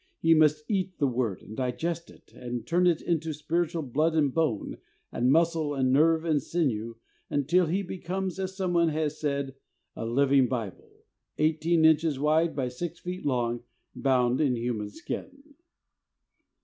He must eat the Word and digest it and turn it into spiritual blood and bone and muscle and nerve and sinew, until he be comes, as someone has said, "A living Bible, eighteen inches wide by six feet long, bound in human skin."